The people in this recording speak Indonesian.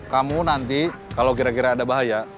kamu nanti kalau kira kira ada bahaya